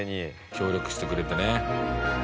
協力してくれてね。